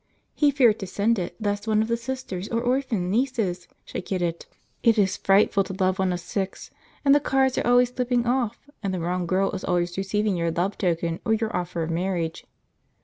He feared to send it, lest one of the sisters or h'orphan nieces should get it; it is frightful to love one of six, and the cards are always slipping off, and the wrong girl is always receiving your love token or your offer of marriage."